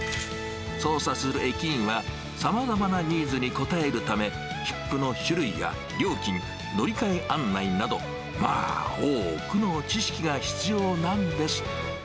操作する駅員は、さまざまなニーズに応えるため、切符の種類や料金、乗り換え案内など、まあ、多くの知識が必要なんです。